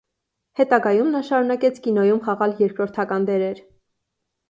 Հետագայում նա շարունակեց կինոյում խաղալ երկրորդական դերեր։